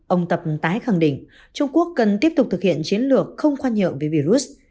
ông tập tái khẳng định trung quốc cần tiếp tục thực hiện chiến lược không khoan nhượng với virus